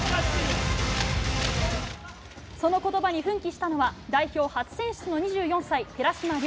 その言葉に奮起したのは代表初選出の２４歳、寺嶋良。